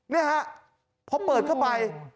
นี่ฮะพอเปิดเข้าไป